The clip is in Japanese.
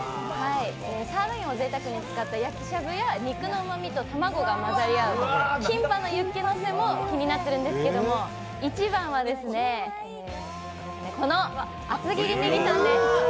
サーロインをぜいたくに使った焼きしゃぶや、肉のうまみと卵が混ざり合うキンパのユッケのせも気になっているんですけど、一番は、この厚切りネギタンです。